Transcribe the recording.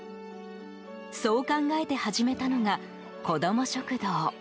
そう考えて始めたのがこども食堂。